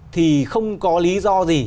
thì không có lý do gì